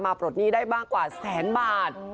ปลดหนี้ได้บ้างกว่าแสนบาท